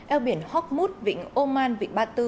eo biển horkmut vịnh oman vịnh ba tư